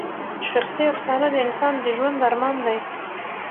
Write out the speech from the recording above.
شخصي افسانه د انسان د ژوند ارمان دی.